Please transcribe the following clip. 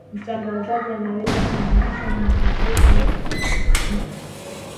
mtangazaji anawezi kuanzisha maonesho yote katika vipindi tofauti